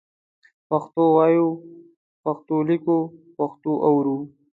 پښتو وایئ، پښتو لیکئ، پښتو اورئ